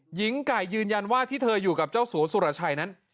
หญิงไก่ยืนยันว่าที่เธออยู่กับเจ้าสัวสุรชัยนั้น